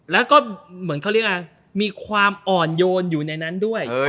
แล้วก็เหมือนเขาเรียกว่ามีความอ่อนโยนอยู่ในนั้นด้วย